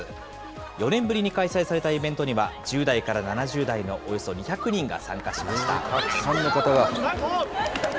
４年ぶりに開催されたイベントには、１０代から７０代のおよそ２００人が参加しました。